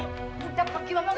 aku ingin pergi dari sini